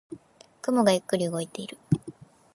雲がゆっくり動いている。